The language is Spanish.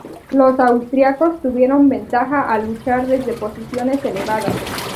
Los austriacos tuvieron ventaja al luchar desde posiciones elevadas.